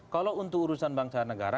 kalau untuk urusan bangsa dan negara